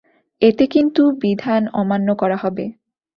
এতে কিন্তু বিধান অমান্য করা হবে।